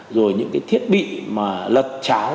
rồi những cái thiết bị mà lật tráo